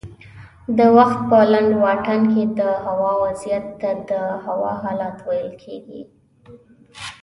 د وخت په لنډ واټن کې دهوا وضعیت ته د هوا حالت ویل کېږي